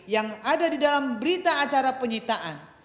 yang ada di dalam berita acara penyitaan